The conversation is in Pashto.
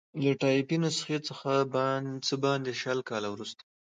له ټایپي نسخې څخه څه باندې شل کاله وروسته.